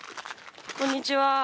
こんにちは。